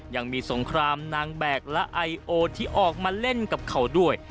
ยังมีสงครามนางแบกและไอโอที่ออกมาเล่นกับเขาด้วย